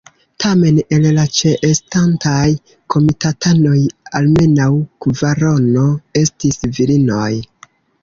Tamen el la ĉeestantaj komitatanoj almenaŭ kvarono estis virinoj.